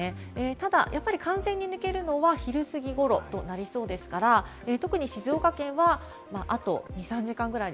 ただやっぱり、完全に抜けるのは昼すぎ頃となりそうですから、特に静岡県はあと２３時間ぐらい。